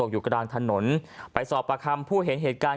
อยู่กลางถนนไปสอบประคำผู้เห็นเหตุการณ์